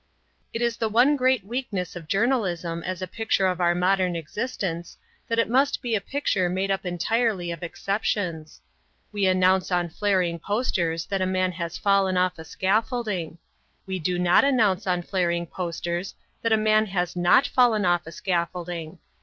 It is the one great weakness of journalism as a picture of our modern existence, that it must be a picture made up entirely of exceptions. We announce on flaring posters that a man has fallen off a scaffolding. We do not announce on flaring posters that a man has not fallen off a scaffolding.